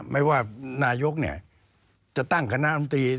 แม้ว่านายกจะตั้งขณะตรงที่